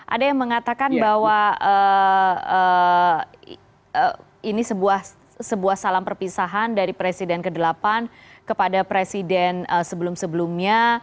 ada yang mengatakan bahwa ini sebuah salam perpisahan dari presiden ke delapan kepada presiden sebelum sebelumnya